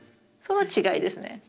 その違いですね。